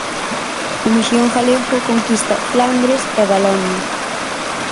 O mexillón galego conquista Flandres e Valonia